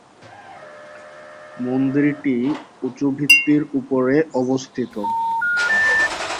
মন্দিরটি উঁচু ভিত্তির উপরে অবস্থিত।